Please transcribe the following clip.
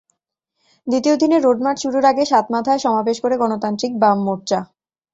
দ্বিতীয় দিনের road march শুরুর আগে সাতমাথায় সমাবেশ করে গণতান্ত্রিক বাম মোর্চা।